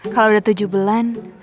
kalau udah tujuh bulan